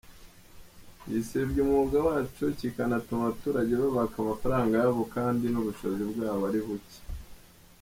Gisebya umwuga wacu kikanatuma abaturage babaka amafaranga yabo kandi n’ubushobozi bwabo ari buke.